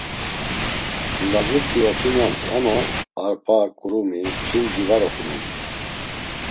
Lazut̆i opinams ama arpa, kurmi, p̌rindzi var opinams.